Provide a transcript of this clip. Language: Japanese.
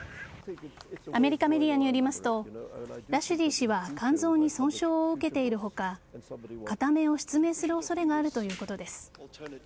アメリカメディアによりますとラシュディ氏は肝臓に損傷を受けている他片目を失明する恐れがあるということです。